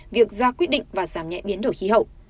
việc ra quyết định và giảm nhẹ biến đổi khí hậu